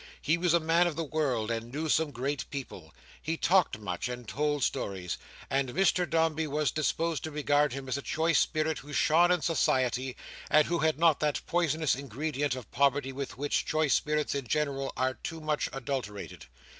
He was a man of the world, and knew some great people. He talked much, and told stories; and Mr Dombey was disposed to regard him as a choice spirit who shone in society, and who had not that poisonous ingredient of poverty with which choice spirits in general are too much adulterated.